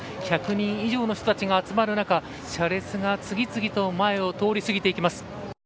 １００人以上の人たちが集まる中車列が次々と前を通り過ぎていきます。